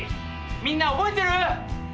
みんな覚えてる？